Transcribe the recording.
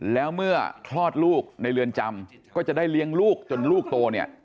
แล้วเมื่อคลอดลูกในเรือนจำก็จะได้เลี้ยงลูกจนลูกโตเนี่ย